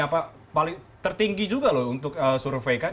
tertinggi juga loh untuk surveikan